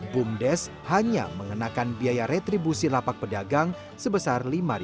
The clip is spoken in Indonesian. bumdes hanya mengenakan biaya retribusi lapak pedagang sebesar lima rupiah per hari